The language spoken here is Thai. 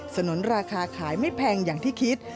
สนุนราคาขายไม่แพงอย่างที่คิด